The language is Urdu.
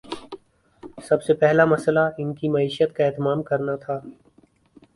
سب سے پہلا مسئلہ ان کی معیشت کا اہتمام کرنا تھا۔